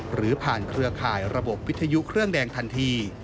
หรือผ่านเครือข่ายระบบวิทยุเครื่องแดงทันที